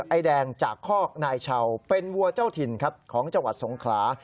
ไอ้แดงจากคอกนายชาวเป็นวัวเจ้าถิ่นครับของจังหวัดสงขลา